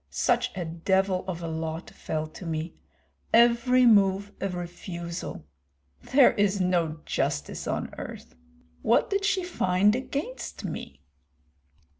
Such a devil of a lot fell to me, every move a refusal! There is no justice on earth. What did she find against me?"